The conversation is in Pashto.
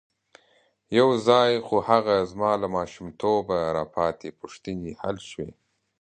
یو ځای خو هغه زما له ماشومتوبه را پاتې پوښتنې حل شوې.